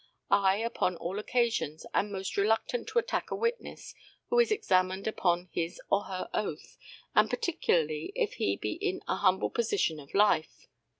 I, upon all occasions, am most reluctant to attack a witness who is examined upon his or her oath, and particularly if he be in a humble position of life.